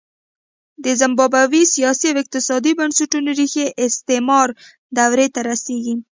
د زیمبابوې سیاسي او اقتصادي بنسټونو ریښې استعمار دورې ته رسېږي.